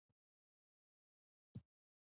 د ورېښتانو د ختلو او سپینیدلو پوښتنه هېڅ مه کوئ!